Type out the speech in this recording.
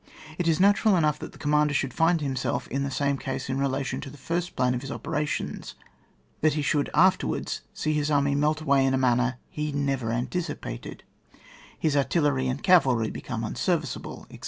It is natural enough that the commander should find himself in the same case in relation to the first plan of his operations, that he sliould afterwards see his army melt away in a manner he never anticipated, his artillery and cavalry become unserviceable, &c.